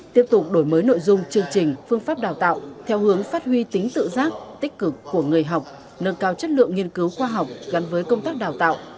tiếp tục đổi mới nội dung chương trình phương pháp đào tạo theo hướng phát huy tính tự giác tích cực của người học nâng cao chất lượng nghiên cứu khoa học gắn với công tác đào tạo